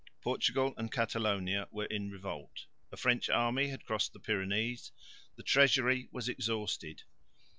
_ Portugal and Catalonia were in revolt; a French army had crossed the Pyrenees; the treasury was exhausted.